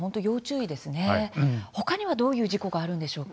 ほかには、どんな事故があるんでしょうか。